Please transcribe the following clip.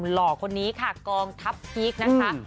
หล่อคนนี้ค่ะกองทัพพีคนะคะ